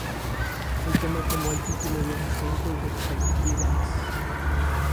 El tema tomo el título de un sample de Faith Evans.